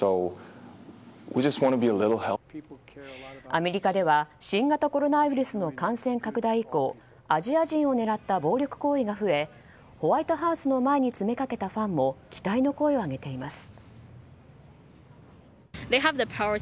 アメリカでは新型コロナウイルスの感染拡大以降アジア人を狙った暴力行為が増えホワイトハウスの前に詰めかけたファンも期待の声を上げています。